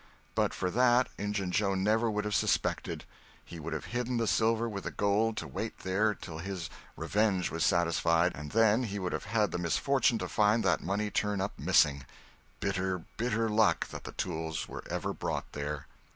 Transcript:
But for that, Injun Joe never would have suspected. He would have hidden the silver with the gold to wait there till his "revenge" was satisfied, and then he would have had the misfortune to find that money turn up missing. Bitter, bitter luck that the tools were ever brought there!